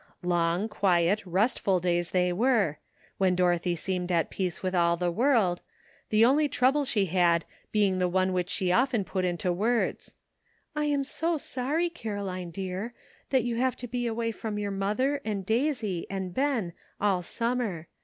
Long, quiet, restful days they were, when Dorothy seemed at peace with all the world, the only trouble she had being the one which she often put into words :'* I'm so sorry, Caroline dear, that you have to be away from your mother and Daisy and Ben all summer.